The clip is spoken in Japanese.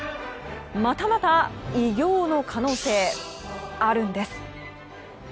またまた偉業の可能性あるんです。